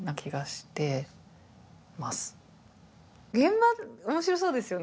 現場面白そうですよね。